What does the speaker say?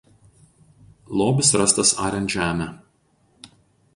Lobis rastas ariant žemę.